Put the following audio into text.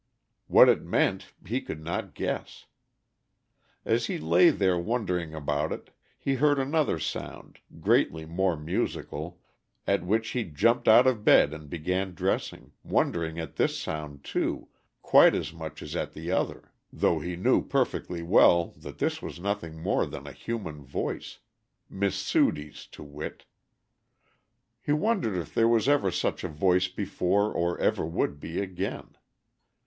What it meant he could not guess. As he lay there wondering about it he heard another sound, greatly more musical, at which he jumped out of bed and began dressing, wondering at this sound, too, quite as much as at the other, though he knew perfectly well that this was nothing more than a human voice Miss Sudie's, to wit. He wondered if there ever was such a voice before or ever would be again.